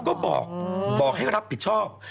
ก็บอกให้รับผิดชอบ